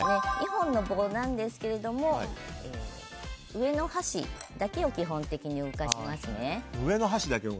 ２本の棒なんですけれども上の箸だけを基本的に動かしますね。